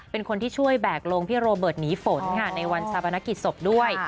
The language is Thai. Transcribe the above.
เป็นคนที่ช่วยแบกลงพี่โรเบิร์ตหนีฝนค่ะในวันชาปนกิจศพด้วย